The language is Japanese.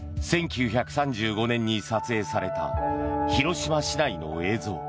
１９３５年に撮影された広島市内の映像。